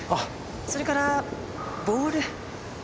それからボール。